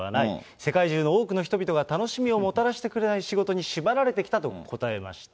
世界中の多くの人々が楽しみをもたらしてくれない仕事に縛られてきたと答えました。